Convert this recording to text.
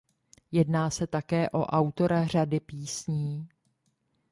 Jedná se také o autora řady písní.